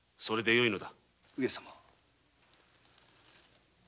それでよいのだ。